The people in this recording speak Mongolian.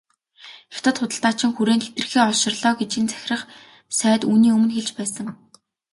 Хятад худалдаачин хүрээнд хэтэрхий олширлоо гэж энэ захирах сайд үүний өмнө хэлж байсан.